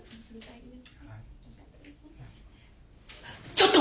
ちょっと！